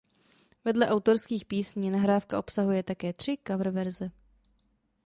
Vedle autorských písní nahrávka obsahuje také tři coververze.